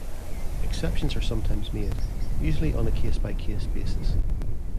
Exceptions are sometimes made, usually on a case-by-case basis.